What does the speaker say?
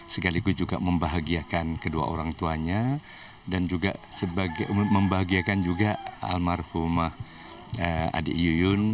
sekaligus juga membahagiakan kedua orang tuanya dan juga membahagiakan juga almarhumah adik yuyun